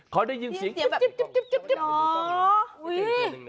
เขาได้ยินเสียงแบบจิ๊บจิ๊บจิ๊บ